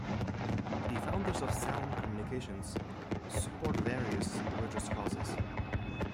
The founders of Salem Communications support various religious causes.